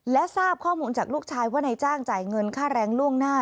และทราบข้อมูลจากลูกชายว่านายจ้างจ่ายเงินค่าแรงล่วงหน้า